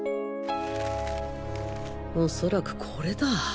おそらくコレだ。